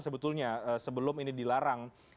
sebetulnya sebelum ini dilarang